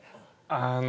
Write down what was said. あの。